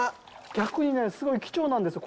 逆にね、すごい貴重なんですよ。